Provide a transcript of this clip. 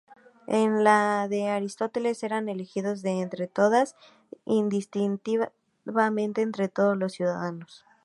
En la de Aristóteles eran elegidos de entre todas, indistintamente, entre todos los ciudadanos.